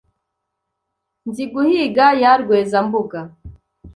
Nziguhiga ya Rwezambuga